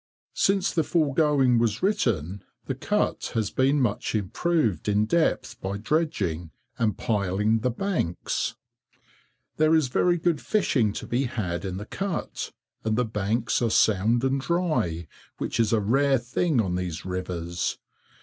[Since the foregoing was written, the Cut has been much improved in depth by dredging, and piling the banks.] There is very good fishing to be had in the cut, and the banks are sound and dry, which is a rare thing on these rivers.